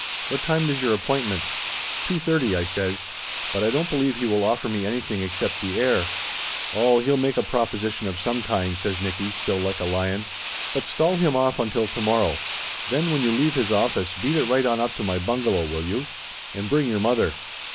What time is your appointment ?" "Two thirty," I says. "But I don't believe he will offer me anything except the air." "Oh, he'll make a proposition of some kind," says Nicky, still like a lion. "But stall him off until tomor row. Then when you leave his office, beat it right on up to my bungalow, will you? And bring your mother."